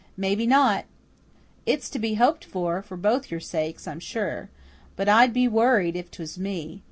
"Maybe not. It's to be hoped not, for both your sakes, I'm sure. But I'd be worried if 'twas me.